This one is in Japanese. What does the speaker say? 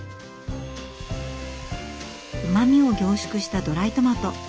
うまみを凝縮したドライトマト。